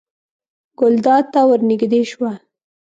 ګلداد ته ور نږدې شوه.